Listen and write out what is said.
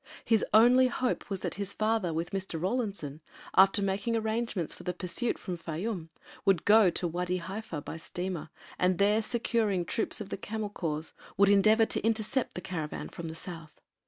His only hope was that his father with Mr. Rawlinson, after making arrangements for the pursuit from Fayûm, would go to Wâdi Haifa by steamer, and there securing troops of the camel corps, would endeavor to intercept the caravan from the south.